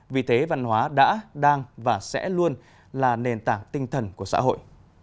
vì thế văn hóa đã đang và sẽ luôn là nền tảng tinh thần của xã hội